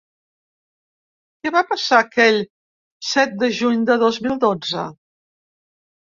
Què va passar aquell set de juny de dos mil dotze?